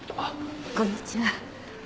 こんにちは。